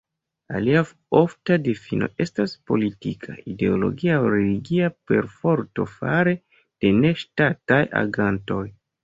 Alia ofta difino estas politika, ideologia aŭ religia perforto fare de ne-ŝtataj agantoj.